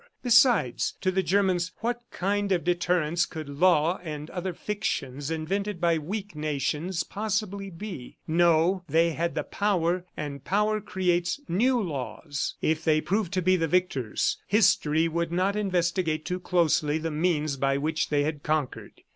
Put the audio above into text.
Besides, to the Germans what kind of deterrents could law and other fictions invented by weak nations possibly be? ... No; they had the Power, and Power creates new laws. If they proved to be the victors, History would not investigate too closely the means by which they had conquered.